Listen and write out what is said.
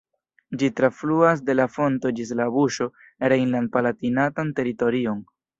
Ĝi trafluas de la fonto ĝis la buŝo rejnland-Palatinatan teritorion.